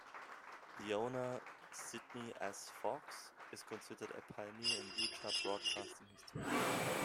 The owner, Sidney S. Fox, is considered a pioneer in Utah broadcasting history.